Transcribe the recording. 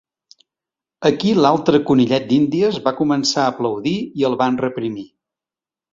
Aquí l'altre conillet d'Índies va començar a aplaudir i el van reprimir.